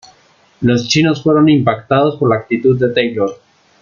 Los Chinos fueron impactados por la actitud de Taylor.